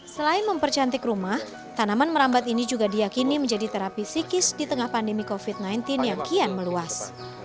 selain mempercantik rumah tanaman merambat ini juga diakini menjadi terapi psikis di tengah pandemi covid sembilan belas yang kian meluas